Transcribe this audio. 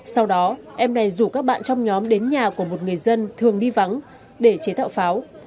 sau đó em này rủ các bạn trong nhóm đến nhà của một người dân thường đi vắng để chế tạo pháo